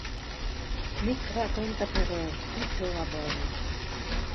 Nick racconta però tutto a Boney.